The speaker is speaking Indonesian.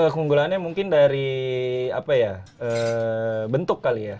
keunggulannya mungkin dari bentuk kali ya